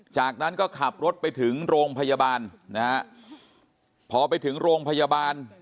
จากนั้นก็ขับรถไปถึงโรงพยาบาลนะฮะพอไปถึงโรงพยาบาล